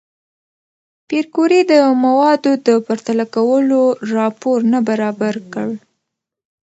پېیر کوري د موادو د پرتله کولو راپور نه برابر کړ؟